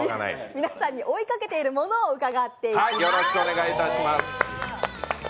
皆さんに追いかけているものを伺っていきます。